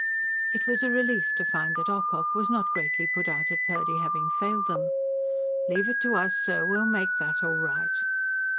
It was a relief to find that Ocock was not greatly put out at Purdy having failed them. "Leave it to us, sir. We'll make that all right."